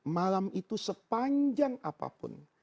malam itu sepanjang apapun